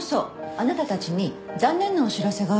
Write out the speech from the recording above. あなたたちに残念なお知らせがあるの。